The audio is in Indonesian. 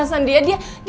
aku mau ngerti